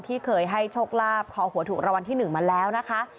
ที่เคยให้โชคลาภขอหัวถูกรางวัลที่๑มาแล้วนะคะ